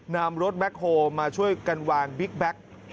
นำรถแบ็คโฮลมาช่วยกันวางบิ๊กแบ็ค